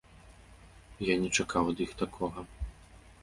Я не чакаў ад іх такога.